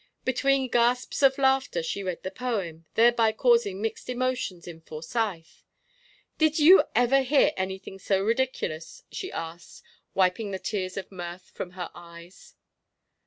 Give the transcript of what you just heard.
Between gasps of laughter she read the poem, thereby causing mixed emotions in Forsyth. "Did you ever hear anything so ridiculous?" she asked, wiping the tears of mirth from her eyes.